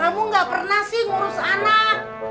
kamu gak pernah sih ngurus anak